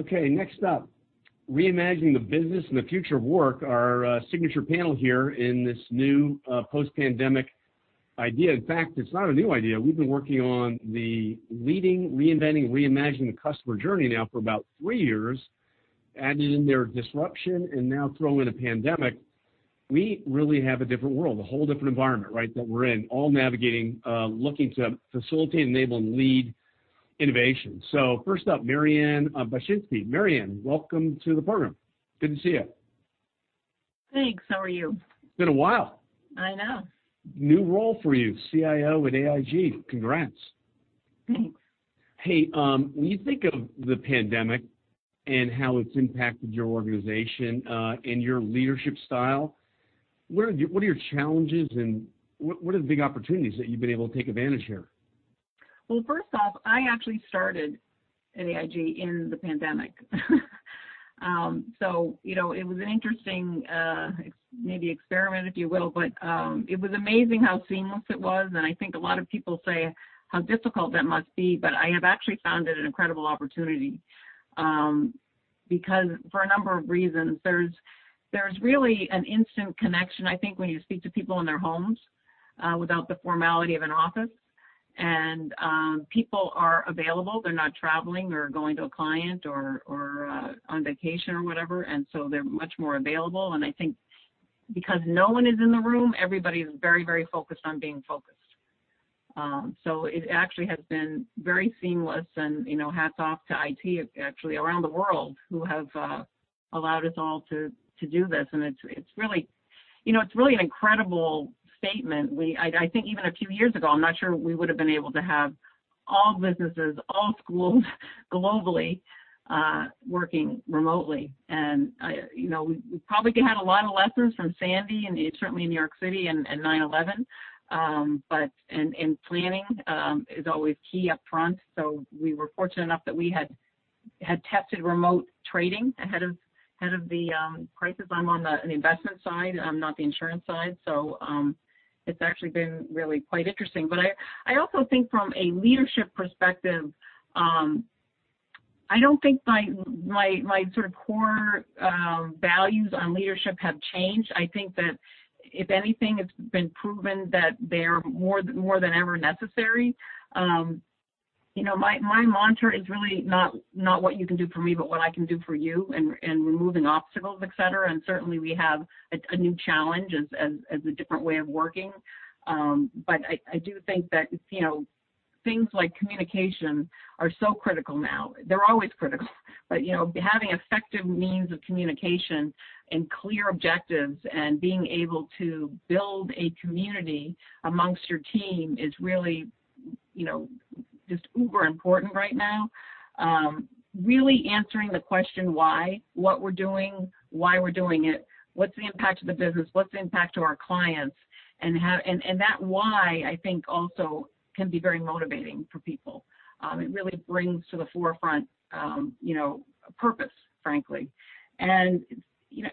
Okay, next up, reimagining the business and the future of work, our signature panel here in this new post-pandemic idea. In fact, it is not a new idea. We have been working on the leading, reinventing, reimagining the customer journey now for about three years. Adding in there disruption, and now throw in a pandemic, we really have a different world, a whole different environment, right, that we are in. All navigating, looking to facilitate, enable, and lead innovation. First up, Marianne Bachynski. Marianne, welcome to the program. Good to see you. Thanks. How are you? It has been a while. I know. New role for you, CIO at AIG. Congrats. Thanks. Hey, when you think of the pandemic and how it's impacted your organization, and your leadership style, what are your challenges and what are the big opportunities that you've been able to take advantage here? First off, I actually started at AIG in the pandemic. It was an interesting, maybe experiment, if you will. It was amazing how seamless it was, and I think a lot of people say how difficult that must be, but I have actually found it an incredible opportunity. For a number of reasons, there's really an instant connection, I think, when you speak to people in their homes, without the formality of an office. People are available. They're not traveling or going to a client or on vacation or whatever, they're much more available. I think because no one is in the room, everybody's very focused on being focused. It actually has been very seamless and hats off to IT, actually, around the world who have allowed us all to do this. It's really an incredible statement. I think even a few years ago, I'm not sure we would've been able to have all businesses, all schools globally, working remotely. We probably had a lot of lessons from Sandy, and certainly New York City and 9/11. Planning is always key up front, we were fortunate enough that we had tested remote trading ahead of the crisis. I'm on the investment side, not the insurance side. It's actually been really quite interesting. I also think from a leadership perspective, I don't think my sort of core values on leadership have changed. I think that if anything, it's been proven that they're more than ever necessary. My mantra is really not what you can do for me, but what I can do for you and removing obstacles, et cetera. Certainly, we have a new challenge as a different way of working. I do think that things like communication are so critical now. They're always critical, but having effective means of communication and clear objectives and being able to build a community amongst your team is really just uber important right now. Really answering the question why, what we're doing, why we're doing it, what's the impact to the business, what's the impact to our clients. That why, I think, also can be very motivating for people. It really brings to the forefront purpose, frankly.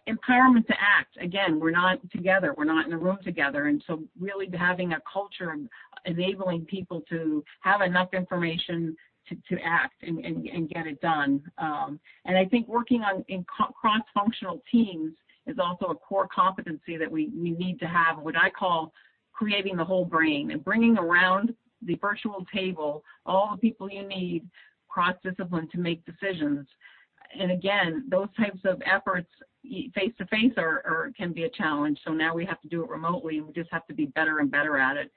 Empowerment to act. Again, we're not together, we're not in a room together. Really having a culture enabling people to have enough information to act and get it done. I think working in cross-functional teams is also a core competency that we need to have, what I call creating the whole brain and bringing around the virtual table all the people you need, cross-discipline, to make decisions. Again, those types of efforts face-to-face can be a challenge, so now we have to do it remotely, and we just have to be better and better at it.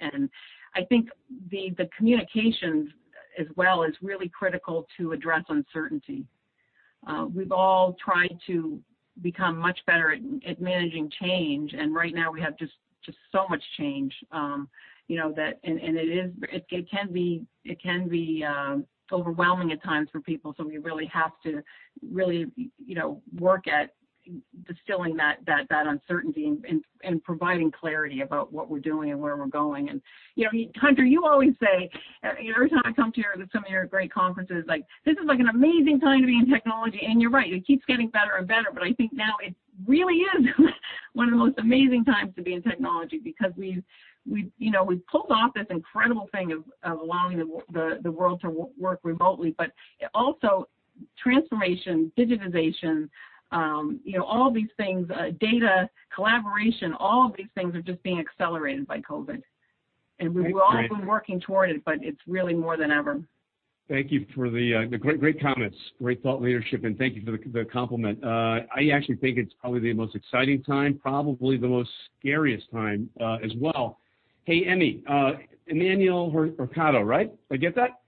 I think the communications as well is really critical to address uncertainty. We've all tried to become much better at managing change, and right now we have just so much change. It can be overwhelming at times for people, so we really have to really work at distilling that uncertainty and providing clarity about what we're doing and where we're going. Hunter, you always say, every time I come to some of your great conferences, "This is an amazing time to be in technology." You're right, it keeps getting better and better. I think now it really is one of the most amazing times to be in technology because we've pulled off this incredible thing of allowing the world to work remotely, but also transformation, digitization, all these things, data, collaboration, all of these things are just being accelerated by COVID. Thanks, Marianne. We've all been working toward it, but it's really more than ever. Thank you for the great comments, great thought leadership, and thank you for the compliment. I actually think it's probably the most exciting time, probably the most scariest time, as well. Hey, Emi. Emiliano Horcada, right? Did I get that?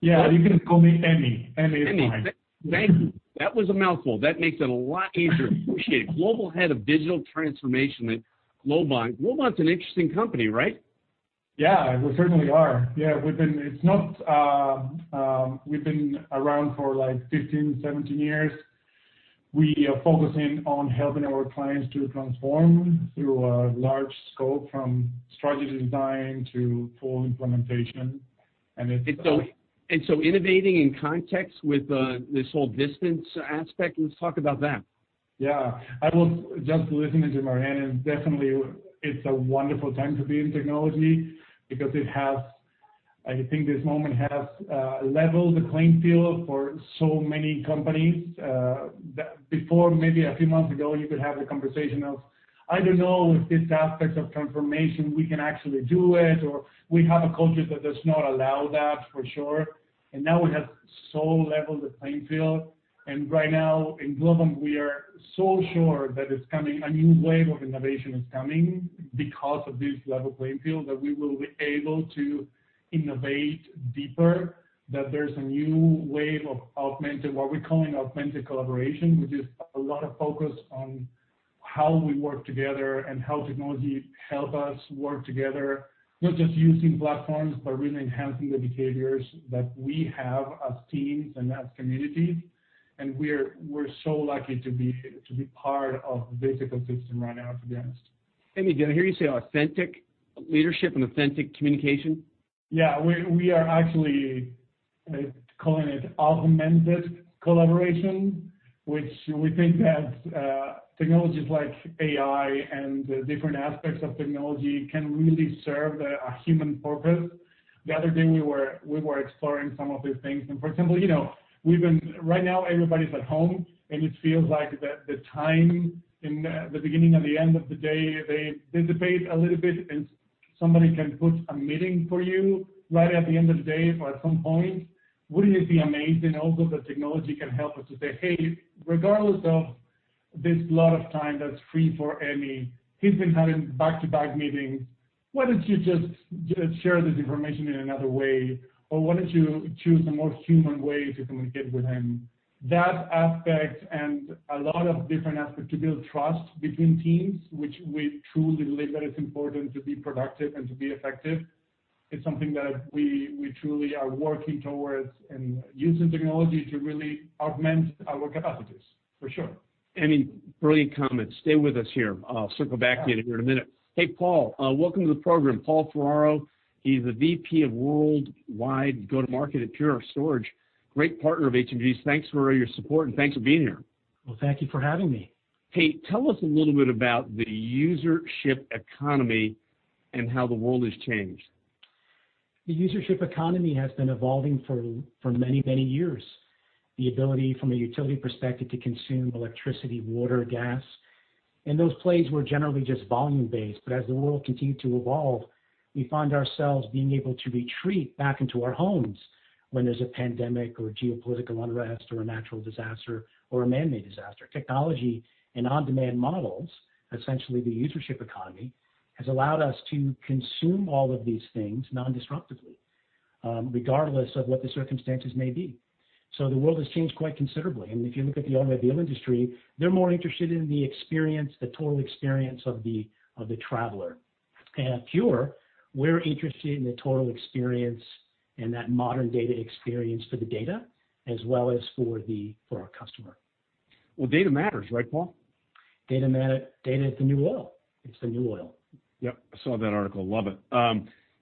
Yeah. You can call me Emi. Emi is fine. Emi. Thank you. That was a mouthful. That makes it a lot easier. Appreciate it. Global Head of Digital Transformation at Globant. Globant's an interesting company, right? Yeah, we certainly are. Yeah. We've been around for 15, 17 years. We are focusing on helping our clients to transform through a large scope from strategy design to full implementation. Innovating in context with this whole distance aspect, let's talk about that. Yeah. I was just listening to Marianne. Definitely it's a wonderful time to be in technology because I think this moment has leveled the playing field for so many companies. Before, maybe a few months ago, you could have the conversation of, "I don't know if this aspect of transformation, we can actually do it," or, "We have a culture that does not allow that, for sure." Now we have so leveled the playing field. Right now in Globant, we are so sure that a new wave of innovation is coming because of this level playing field, that we will be able to innovate deeper, that there's a new wave of what we're calling augmented collaboration, which is a lot of focus on how we work together and how technology helps us work together. Not just using platforms, but really enhancing the behaviors that we have as teams and as communities. We're so lucky to be part of the ecosystem right now, to be honest. Emi, did I hear you say authentic leadership and authentic communication? Yeah. We are actually calling it augmented collaboration, which we think that technologies like AI and the different aspects of technology can really serve a human purpose. The other day, we were exploring some of these things, and for example, right now everybody's at home, and it feels like the time in the beginning and the end of the day, they dissipate a little bit, and somebody can put a meeting for you right at the end of the day or at some point. Wouldn't it be amazing also that technology can help us to say, "Hey, regardless of this lot of time that's free for Emi, he's been having back-to-back meetings. Why don't you just share this information in another way?" "Why don't you choose the most human way to communicate with him?" That aspect and a lot of different aspects to build trust between teams, which we truly believe that it's important to be productive and to be effective. It's something that we truly are working towards and using technology to really augment our capacities, for sure. Emi, brilliant comments. Stay with us here. I'll circle back to you here in a minute. Hey, Paul. Welcome to the program. Paul Ferraro, he's the VP of Worldwide Go-To-Market at Pure Storage. Great partner of HMG. Thanks for all your support and thanks for being here. Well, thank you for having me. Hey, tell us a little bit about the usership economy and how the world has changed. The usership economy has been evolving for many, many years. The ability from a utility perspective to consume electricity, water, gas, and those plays were generally just volume-based. As the world continued to evolve, we find ourselves being able to retreat back into our homes when there's a pandemic or geopolitical unrest or a natural disaster or a man-made disaster. Technology and on-demand models, essentially the usership economy, has allowed us to consume all of these things non-disruptively, regardless of what the circumstances may be. The world has changed quite considerably. If you look at the automobile industry, they're more interested in the total experience of the traveler. At Pure, we're interested in the total experience and that modern data experience for the data as well as for our customer. Well, data matters, right, Paul? Data is the new oil. It's the new oil. Yep. I saw that article. Love it.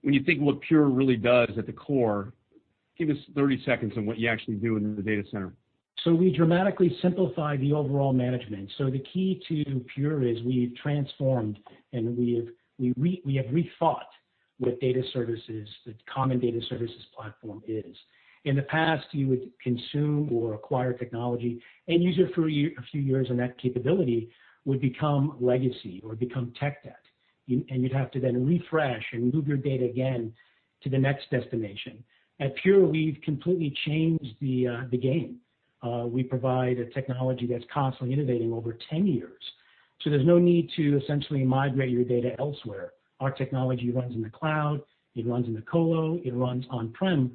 When you think what Pure really does at the core, give us 30 seconds on what you actually do in the data center. We dramatically simplify the overall management. The key to Pure is we've transformed and we have rethought what data services, the common data services platform is. In the past, you would consume or acquire technology and use it for a few years, and that capability would become legacy or become tech debt, and you'd have to then refresh and move your data again to the next destination. At Pure, we've completely changed the game. We provide a technology that's constantly innovating over 10 years, there's no need to essentially migrate your data elsewhere. Our technology runs in the cloud, it runs in the colo, it runs on-prem,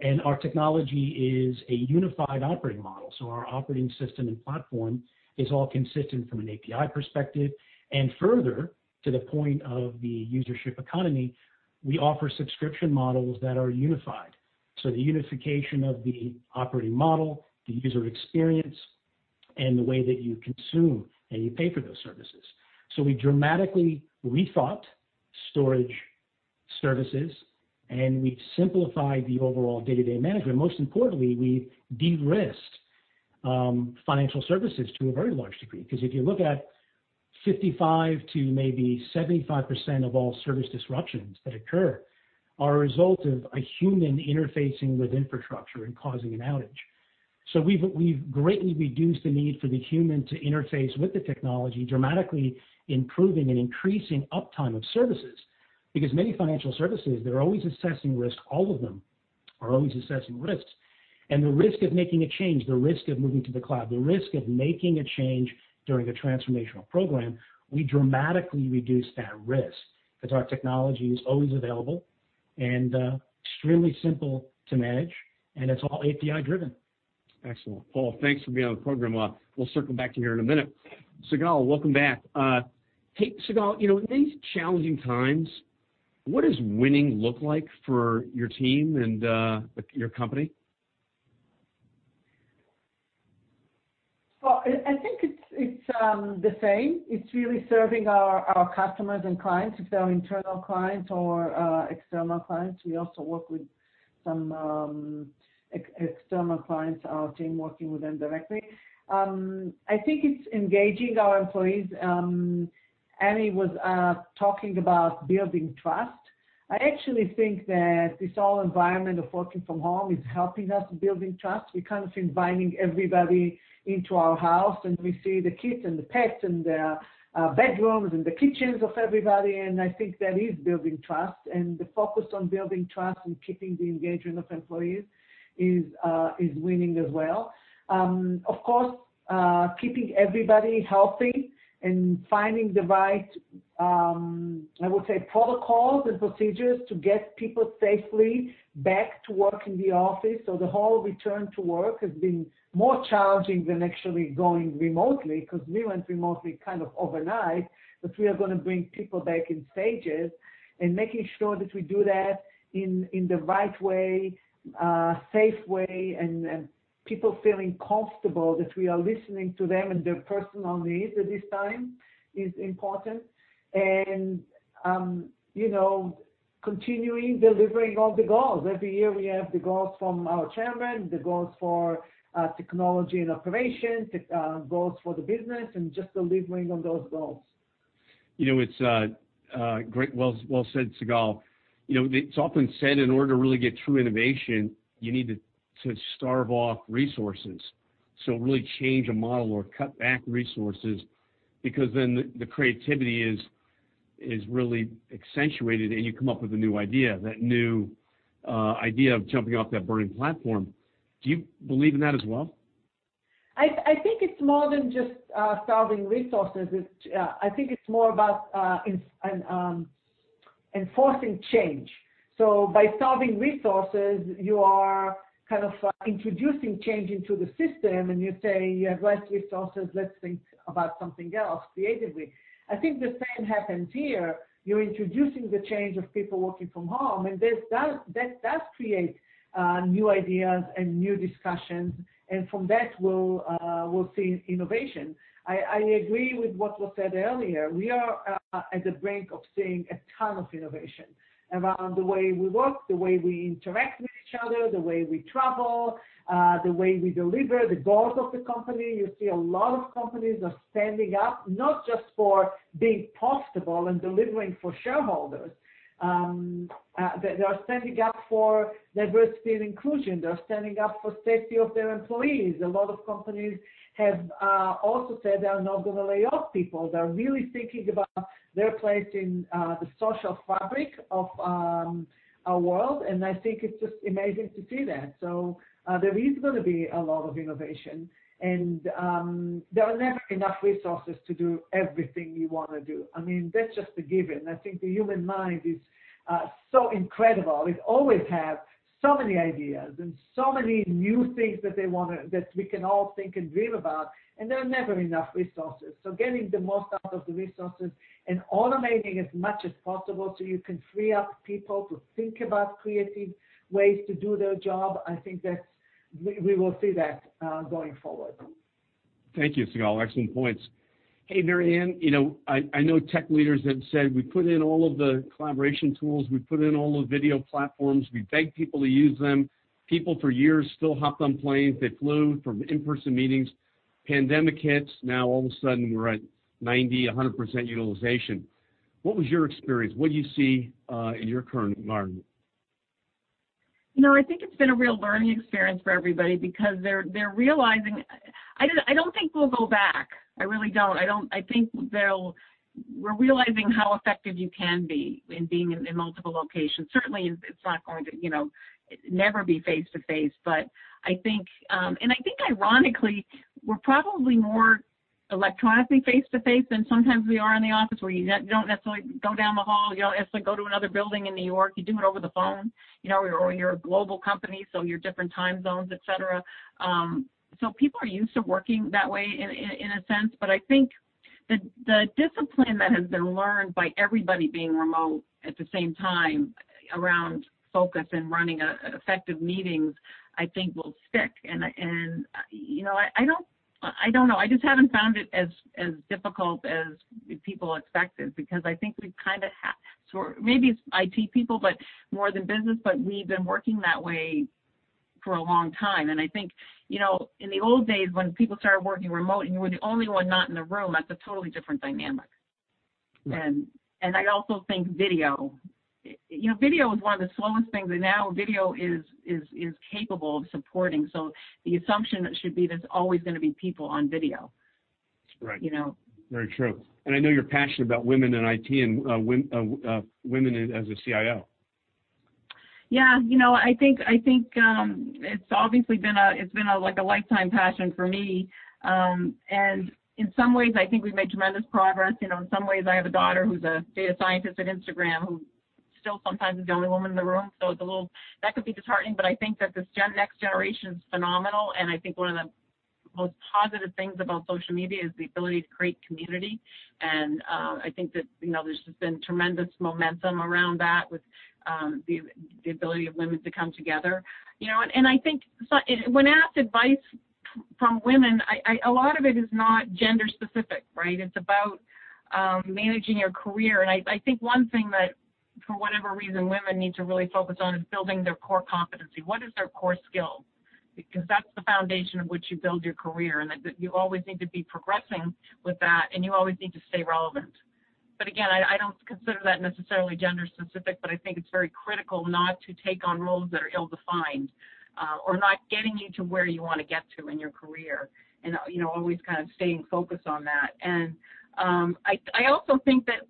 and our technology is a unified operating model, our operating system and platform is all consistent from an API perspective. Further, to the point of the usership economy, we offer subscription models that are unified. The unification of the operating model, the user experience, and the way that you consume and you pay for those services. We dramatically rethought storage services, and we've simplified the overall day-to-day management. Most importantly, we de-risked financial services to a very large degree. Because if you look at 55% to maybe 75% of all service disruptions that occur are a result of a human interfacing with infrastructure and causing an outage. We've greatly reduced the need for the human to interface with the technology, dramatically improving and increasing uptime of services. Because many financial services, they're always assessing risk. All of them are always assessing risks. The risk of making a change, the risk of moving to the cloud, the risk of making a change during a transformational program, we dramatically reduce that risk because our technology is always available and extremely simple to manage, and it's all API-driven. Excellent. Paul, thanks for being on the program. We'll circle back to you here in a minute. Sigal, welcome back. Hey, Sigal, in these challenging times, what does winning look like for your team and your company? I think it's the same. It's really serving our customers and clients. If they're internal clients or external clients, Some external clients, our team working with them directly. I think it's engaging our employees. Marianne was talking about building trust. I actually think that this whole environment of working from home is helping us building trust. We're kind of inviting everybody into our house, and we see the kids and the pets and the bedrooms and the kitchens of everybody, and I think that is building trust, and the focus on building trust and keeping the engagement of employees is winning as well. Of course, keeping everybody healthy and finding the right, I would say, protocols and procedures to get people safely back to work in the office. The whole return to work has been more challenging than actually going remotely, because we went remotely kind of overnight. We are going to bring people back in stages, and making sure that we do that in the right way, safe way, and people feeling comfortable that we are listening to them and their personal needs at this time is important. Continuing delivering on the goals. Every year, we have the goals from our chairman, the goals for technology and operations, goals for the business, and just delivering on those goals. Well said, Sigal. It's often said, in order to really get true innovation, you need to starve off resources. Really change a model or cut back resources, because then the creativity is really accentuated, and you come up with a new idea, that new idea of jumping off that burning platform. Do you believe in that as well? I think it's more than just starving resources. I think it's more about enforcing change. By starving resources, you are kind of introducing change into the system, and you say, "You have less resources, let's think about something else creatively." I think the same happens here. You're introducing the change of people working from home, that does create new ideas and new discussions, from that, we'll see innovation. I agree with what was said earlier. We are at the brink of seeing a ton of innovation around the way we work, the way we interact with each other, the way we travel, the way we deliver the goals of the company. You see a lot of companies are standing up, not just for being profitable and delivering for shareholders. They are standing up for diversity and inclusion. They are standing up for safety of their employees. A lot of companies have also said they are not going to lay off people. They are really thinking about their place in the social fabric of our world, I think it's just amazing to see that. There is going to be a lot of innovation, there are never enough resources to do everything you want to do. That's just a given. I think the human mind is so incredible. We always have so many ideas and so many new things that we can all think and dream about, there are never enough resources. Getting the most out of the resources and automating as much as possible so you can free up people to think about creative ways to do their job, I think we will see that going forward. Thank you, Sigal. Excellent points. Hey, Marianne, I know tech leaders have said we put in all of the collaboration tools, we put in all the video platforms, we beg people to use them. People, for years, still hopped on planes. They flew from in-person meetings. Pandemic hits, now all of a sudden, we're at 90%, 100% utilization. What was your experience? What do you see in your current environment? I think it's been a real learning experience for everybody, because they're realizing I don't think we'll go back. I really don't. I think we're realizing how effective you can be in being in multiple locations. Certainly, it's not going to never be face-to-face, but I think ironically, we're probably more electronically face-to-face than sometimes we are in the office, where you don't necessarily go down the hall, you don't necessarily go to another building in New York. You do it over the phone. You're a global company, so you're different time zones, et cetera. People are used to working that way in a sense, but I think the discipline that has been learned by everybody being remote at the same time around focus and running effective meetings, I think will stick. I don't know. I just haven't found it as difficult as people expected, because I think we've kind of Maybe it's IT people more than business, but we've been working that way for a long time. I think, in the old days, when people started working remote and you were the only one not in the room, that's a totally different dynamic. Yeah. I also think video. Video was one of the slowest things, and now video is capable of supporting. The assumption should be there's always going to be people on video. Right. Very true. I know you're passionate about women in IT and women as a CIO. I think it's obviously been a lifetime passion for me. In some ways, I think we've made tremendous progress. In some ways, I have a daughter who's a data scientist at Instagram who still sometimes is the only woman in the room, so that could be disheartening, but I think that this next generation is phenomenal. I think one of the most positive things about social media is the ability to create community. I think that there's just been tremendous momentum around that with the ability of women to come together. I think when asked advice from women, a lot of it is not gender specific. It's about managing your career. I think one thing that, for whatever reason, women need to really focus on is building their core competency. What is their core skill? That's the foundation of which you build your career. That you always need to be progressing with that. You always need to stay relevant. Again, I don't consider that necessarily gender specific, but I think it's very critical not to take on roles that are ill-defined, or not getting you to where you want to get to in your career, always staying focused on that. I also think that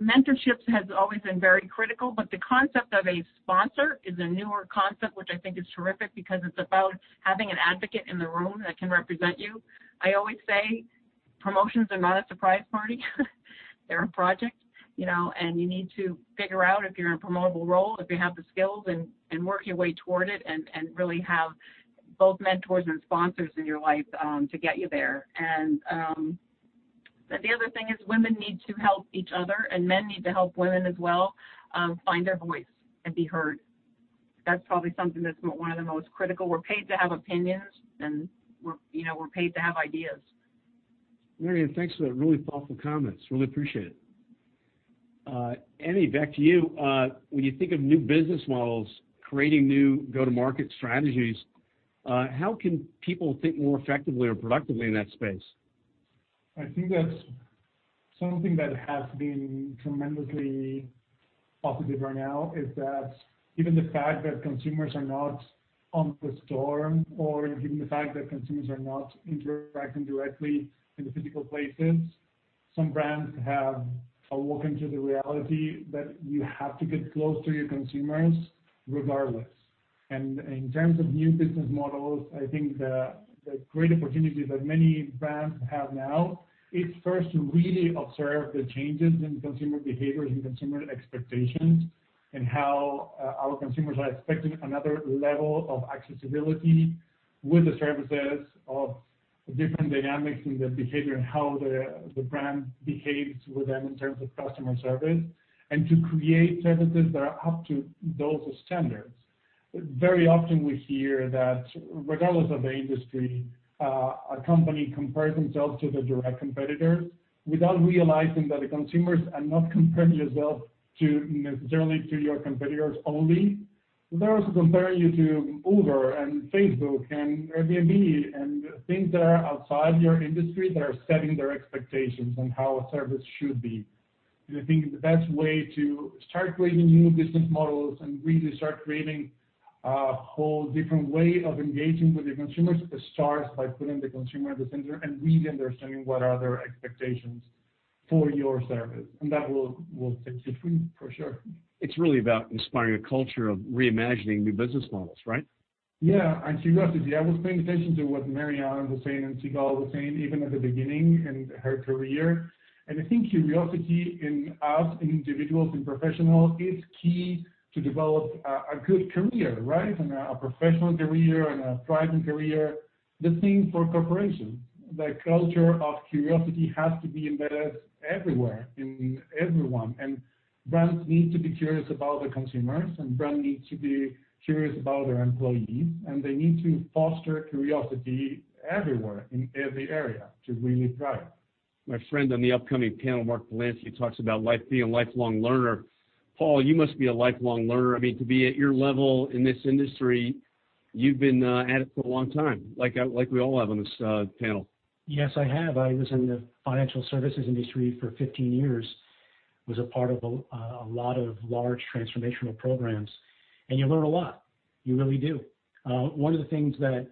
mentorships has always been very critical. The concept of a sponsor is a newer concept, which I think is terrific because it's about having an advocate in the room that can represent you. I always say promotions are not a surprise party, they're a project. You need to figure out if you're in a promotable role, if you have the skills, work your way toward it, really have both mentors and sponsors in your life to get you there. The other thing is women need to help each other. Men need to help women as well, find their voice and be heard. That's probably something that's one of the most critical. We're paid to have opinions. We're paid to have ideas. Marianne, thanks for the really thoughtful comments. Really appreciate it. Emi, back to you. When you think of new business models creating new go-to-market strategies, how can people think more effectively or productively in that space? I think that's something that has been tremendously positive right now, is that even the fact that consumers are not on the store, or even the fact that consumers are not interacting directly in the physical places, some brands have awoken to the reality that you have to get close to your consumers regardless. In terms of new business models, I think the great opportunity that many brands have now is first to really observe the changes in consumer behaviors and consumer expectations, and how our consumers are expecting another level of accessibility with the services of different dynamics in the behavior and how the brand behaves with them in terms of customer service, and to create services that are up to those standards. Very often we hear that regardless of the industry, a company compares themselves to the direct competitors without realizing that the consumers are not comparing themselves necessarily to your competitors only. They're also comparing you to Uber and Facebook and Airbnb, and things that are outside your industry that are setting their expectations on how a service should be. I think the best way to start creating new business models and really start creating a whole different way of engaging with the consumers starts by putting the consumer at the center and really understanding what are their expectations for your service. That will take you through, for sure. It's really about inspiring a culture of reimagining new business models, right? Yeah, curiosity. I was paying attention to what Marianne was saying and Sigal was saying, even at the beginning in her career. I think curiosity in us, in individuals and professionals, is key to develop a good career, and a professional career, and a thriving career. The same for a corporation. The culture of curiosity has to be embedded everywhere, in everyone. Brands need to be curious about the consumers, brands need to be curious about their employees, they need to foster curiosity everywhere, in every area to really thrive. My friend on the upcoming panel, Mark Polansky, talks about being a lifelong learner. Paul, you must be a lifelong learner. To be at your level in this industry, you've been at it for a long time, like we all have on this panel. Yes, I have. I was in the financial services industry for 15 years, was a part of a lot of large transformational programs. You learn a lot. You really do. One of the things that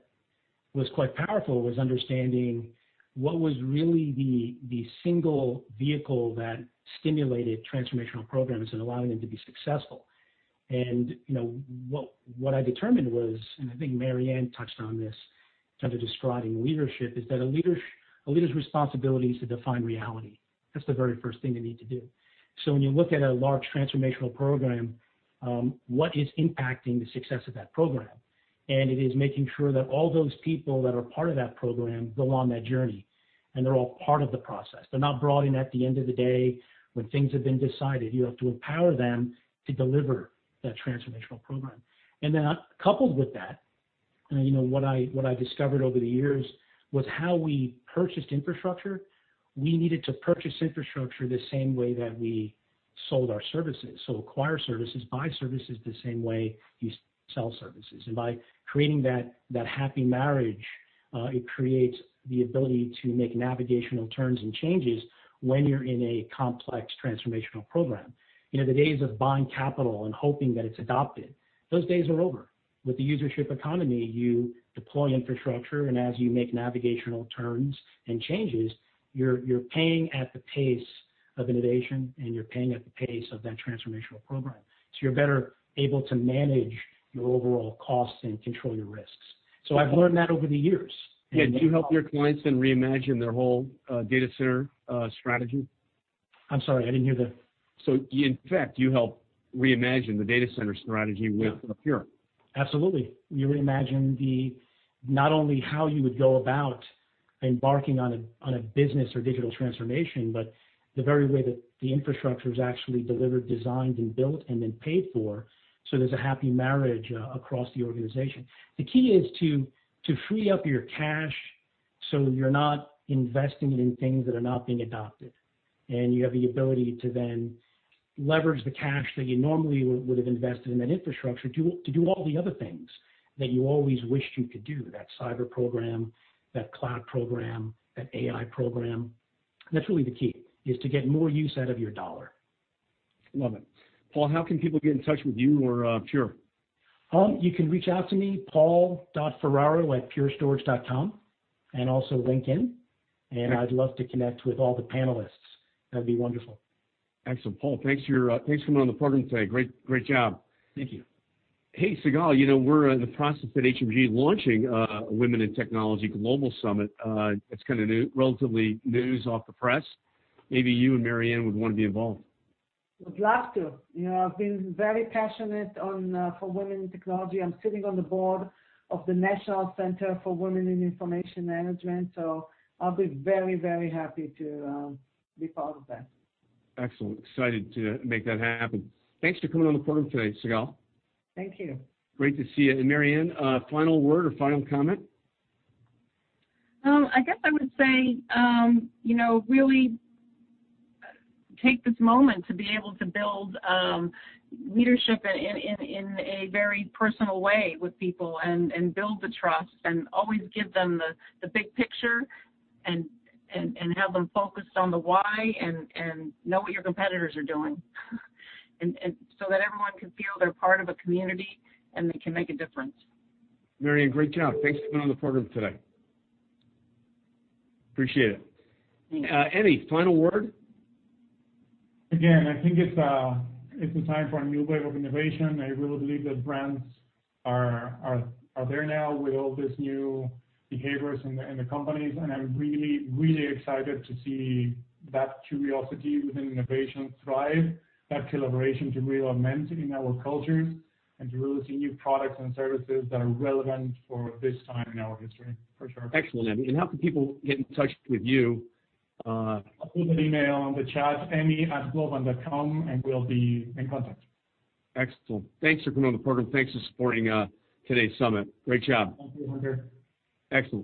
was quite powerful was understanding what was really the single vehicle that stimulated transformational programs and allowing them to be successful. What I determined was, and I think Marianne touched on this, kind of describing leadership, is that a leader's responsibility is to define reality. That's the very first thing they need to do. When you look at a large transformational program, what is impacting the success of that program? It is making sure that all those people that are part of that program go on that journey, and they're all part of the process. They're not brought in at the end of the day when things have been decided. You have to empower them to deliver that transformational program. Coupled with that, what I discovered over the years was how we purchased infrastructure. We needed to purchase infrastructure the same way that we sold our services. Acquire services, buy services the same way you sell services. By creating that happy marriage, it creates the ability to make navigational turns and changes when you're in a complex transformational program. The days of buying capital and hoping that it's adopted, those days are over. With the usership economy, you deploy infrastructure, and as you make navigational turns and changes, you're paying at the pace of innovation, and you're paying at the pace of that transformational program. You're better able to manage your overall costs and control your risks. I've learned that over the years. Do you help your clients then reimagine their whole data center strategy? I'm sorry, I didn't hear that. In fact, do you help reimagine the data center strategy with Pure? Absolutely. You reimagine the, not only how you would go about embarking on a business or digital transformation, but the very way that the infrastructure is actually delivered, designed, and built, and then paid for, so there's a happy marriage across the organization. The key is to free up your cash, so you're not investing in things that are not being adopted. You have the ability to then leverage the cash that you normally would've invested in that infrastructure to do all the other things that you always wished you could do, that cyber program, that cloud program, that AI program. That's really the key, is to get more use out of your $. Love it. Paul, how can people get in touch with you or Pure? You can reach out to me, paul.ferraro@purestorage.com, and also LinkedIn. I'd love to connect with all the panelists. That'd be wonderful. Excellent. Paul, thanks for coming on the program today. Great job. Thank you. Hey, Sigal, you know we're in the process at HMG of launching a Global Women in Technology Summit. It's kind of relatively news off the press. Maybe you and Marianne would want to be involved. Would love to. I've been very passionate for women in technology. I'm sitting on the board of the National Center for Women & Information Technology, so I'll be very happy to be part of that. Excellent. Excited to make that happen. Thanks for coming on the program today, Sigal. Thank you. Great to see you. Marianne, final word or final comment? I guess I would say, really take this moment to be able to build leadership in a very personal way with people, and build the trust, and always give them the big picture, and have them focused on the why, and know what your competitors are doing, that everyone can feel they're part of a community, and they can make a difference. Marianne, great job. Thanks for coming on the program today. Appreciate it. Emi, final word? Again, I think it's a time for a new wave of innovation. I really believe that brands are there now with all these new behaviors in the companies. I'm really excited to see that curiosity within innovation thrive, that collaboration to really augment in our cultures, to really see new products and services that are relevant for this time in our history, for sure. Excellent, Emi. How can people get in touch with you? I'll put an email in the chat, emi@globant.com. We'll be in contact. Excellent. Thanks for coming on the program. Thanks for supporting today's summit. Great job. Thank you, Hunter. Excellent.